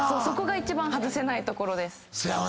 そこが一番外せないところ。